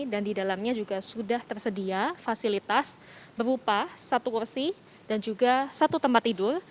dan di dalamnya juga sudah tersedia fasilitas berupa satu kursi dan juga satu tempat tidur